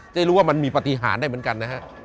ได้รู้ว่ามันมีปฏิหารได้เหมือนกันนะฮะ